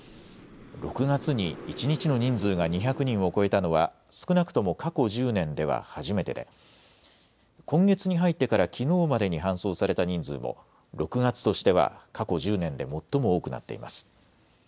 ６月に一日の人数が２００人を超えたのは少なくとも過去１０年では初めてで今月に入ってからきのうまでに搬送された人数も６月としては過去１０年で最も多くなっています。